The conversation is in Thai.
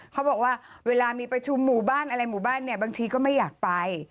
เขาบอกว่าเวลามีประชุมหมู่บ้านอะไรหมู่บ้านเนี่ยบางทีก็ไม่อยากไป